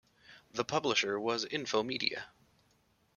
The publisher was Infomedia.